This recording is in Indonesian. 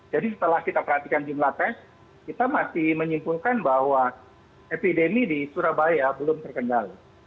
jadi setelah kita perhatikan jumlah tes kita masih menyimpulkan bahwa epidemi di surabaya belum terkendali